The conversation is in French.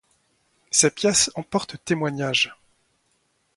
Ses pièces en portent témoignage.